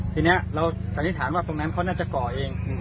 ทีเนี้ยเราสานิถ้าว่าตรงนั้นเขาน่าจะเกาะเอง